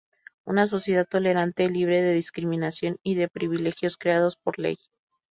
Una sociedad tolerante, libre de discriminación y de privilegios creados por ley.